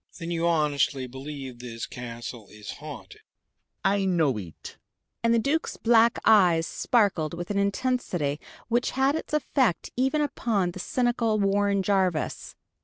"Then you honestly believe this castle is haunted?" "I know it!" And the Duke's black eyes sparkled with an intensity which had its effect even upon the cynical Warren Jarvis.